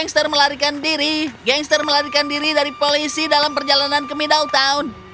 gangster melarikan diri gangster melarikan diri dari polisi dalam perjalanan ke middletown